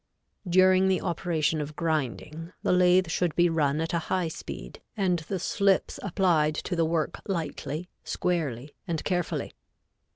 During the operation of grinding, the lathe should be run at a high speed and the slips applied to the work lightly, squarely and carefully.